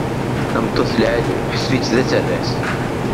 Tameṭṭut lɛali, ḥseb-itt d aterras.